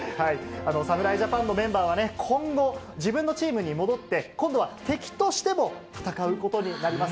侍ジャパンのメンバーはね、今度、自分のチームに戻って、今度は敵としても戦うことになります。